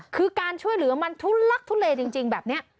คือการช่วยเหลือมันทุลักทุเลจริงแบบนี้